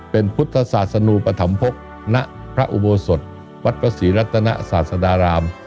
เป็นพุทธศาสนูปธรรมภกณพระอุโบสถวัดพระศรีรัตนศาสดาราม